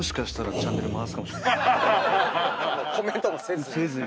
コメントもせず？